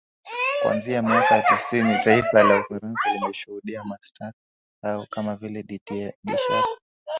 kuanzia miaka ya tisini taifa la ufaransa limeshuhudia mastaa hao kama vile Didiye Deshapo